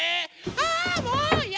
ああもういや！